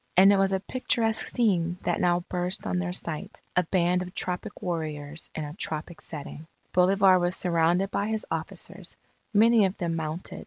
And it was a picturesque scene that now burst on their sight a band of tropic warriors in a tropic setting. Bolivar was surrounded by his officers, many of them mounted.